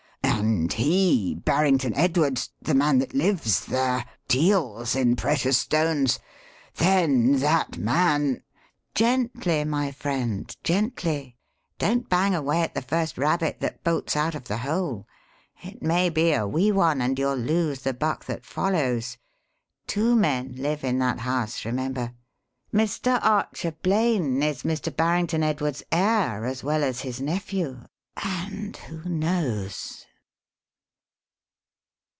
"And he Barrington Edwards, the man that lives there deals in precious stones. Then that man " "Gently, my friend, gently don't bang away at the first rabbit that bolts out of the hole it may be a wee one and you'll lose the buck that follows. Two men live in that house, remember; Mr. Archer Blaine is Mr. Barrington Edwards' heir as well as his nephew and who knows?"